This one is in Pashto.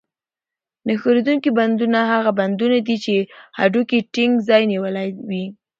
نه ښورېدونکي بندونه هغه بندونه دي چې هډوکي یې ټینګ ځای نیولی وي.